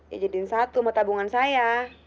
ya jadiin satu mau tabungan saya